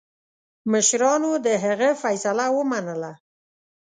مشرانو د هغه فیصله ومنله.